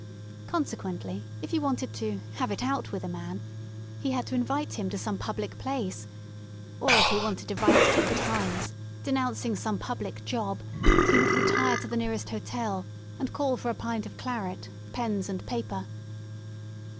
Consequently if he wanted to have it out with" a man he had to invite him to some public place, or, if he wanted to write to *^The Times," denouncing some public job," he would re tire to the nearest hotel and call for a pint of claret, pens and paper.